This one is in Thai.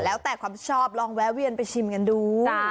แล้วแต่ความชอบลองแวะเวียนไปชิมกันดู